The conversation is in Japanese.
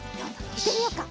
いってみようか。